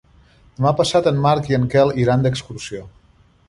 Demà passat en Marc i en Quel iran d'excursió.